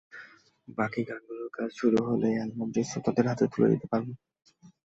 বাকি গানগুলোর কাজ শেষ হলেই অ্যালবামটি শ্রোতাদের হাতে তুলে দিতে পারব।